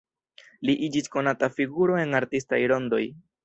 Li iĝis konata figuro en artistaj rondoj.